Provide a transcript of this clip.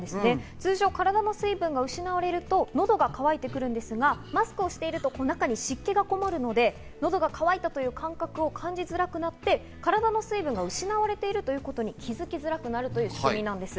通常、体の水分が失われると喉が渇いてきますが、マスクの中に湿気がこもるため、喉が乾いたという感覚を感じづらくなって、体の水分が失われていることに気づきづらくなるということです。